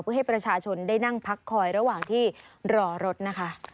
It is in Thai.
เพื่อให้ประชาชนได้นั่งพักคอยระหว่างที่รอรถนะคะ